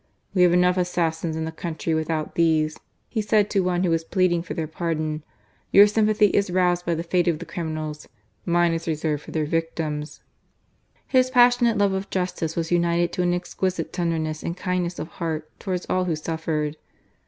"We have enough assassins in the country without these," he said to one who was pleading for their pardon. "Your sympathy is roused by the fate of the criminals; mine is reserved for their victims." His passionate love of justice was united to an exquisite tenderness and kindness of heart towards all who suffered.